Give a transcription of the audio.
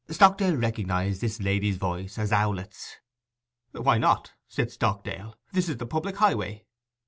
Stockdale recognized this lady's voice as Owlett's. 'Why not?' said Stockdale. 'This is the public highway.